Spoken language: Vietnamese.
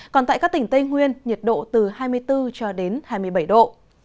còn tại các tỉnh tây nguyên nhiệt độ từ hai mươi bốn cho đến hai mươi bảy độ